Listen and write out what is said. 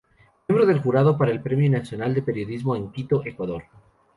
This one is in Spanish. Miembro del Jurado para el Premio Nacional de Periodismo en Quito, Ecuador.